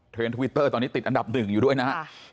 ทวิตเตอร์ตอนนี้ติดอันดับหนึ่งอยู่ด้วยนะครับ